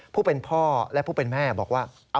ผู้เป็นพ่อและผู้เป็นแม่บอกว่า